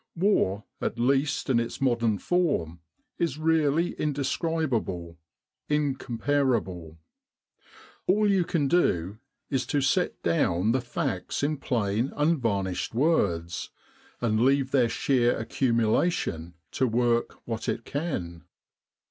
War, at least in its modern form, is really indescrib able, incomparable. All you can do is to set down the facts in plain unvarnished words, and leave their sheer accumulation to work what it can.